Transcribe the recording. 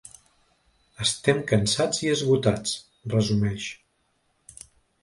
Estem cansats i esgotats, resumeix.